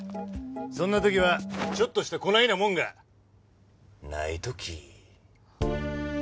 そんな時はちょっとしたこないなもんがない時。